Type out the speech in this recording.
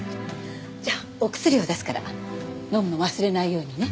じゃあお薬を出すから飲むの忘れないようにね。